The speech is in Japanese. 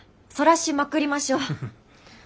そらしまくりましょう。